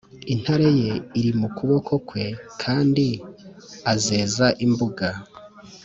Intara ye iri mu kuboko kwe kandi azeza imbuga